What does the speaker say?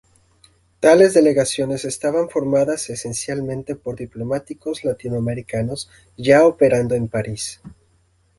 Tales delegaciones estaban formadas esencialmente por diplomáticos latinoamericanos ya operando en París.